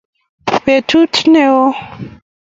betut neoo